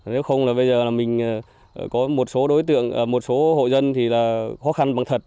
nếu không là bây giờ là mình có một số đối tượng một số hộ dân thì là khó khăn bằng thật